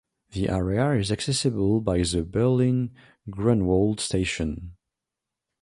The area is accessible by the Berlin-Grunewald station.